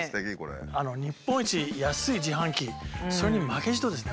日本一安い自販機それに負けじとですね